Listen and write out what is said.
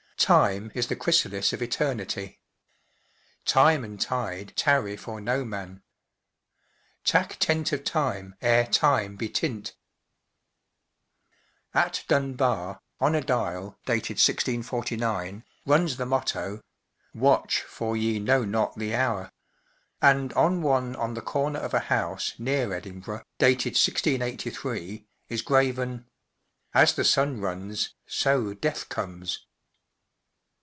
Time is the chrysalis of eternity. Time and tide tarn for no man. Tak tent of time ere time lie tint. At Dunbar, on a dial, dated 1649, runs the motto : 14 Watch for ye kno not the houre”; and on one on the corner of a house near Edinburgh* dated 1683, is graven As the sxm runes So death comes.